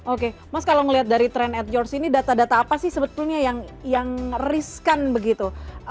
oke mas kalau melihat dari trend ad george ini data data apa sih sebetulnya yang riskan begitu